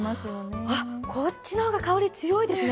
こっちのほうが香り強いですね。